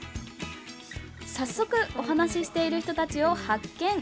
早速、お話ししている人たちを発見。